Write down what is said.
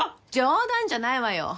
冗談じゃないわよ。